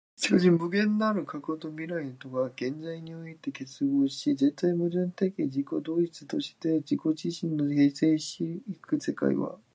しかし無限なる過去と未来とが現在において結合し、絶対矛盾的自己同一として自己自身を形成し行く世界は、